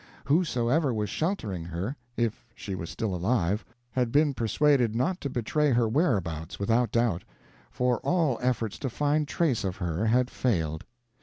Whosoever was sheltering her if she was still alive had been persuaded not to betray her whereabouts, without doubt; for all efforts to find trace of her had failed.